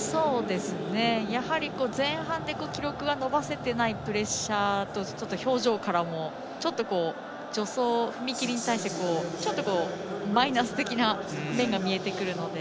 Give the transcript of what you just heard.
やはり前半で記録が伸ばせてないプレッシャーと表情からもちょっと助走踏切に対してちょっと、マイナス的な面が見えてくるので。